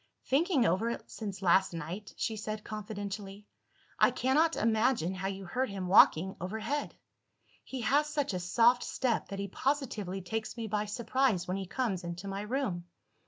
"Thinking over it, since last night," she said confidentially, "I cannot imagine how you heard him walking overhead. He has such a soft step that he positively takes me by surprise when he comes into my room.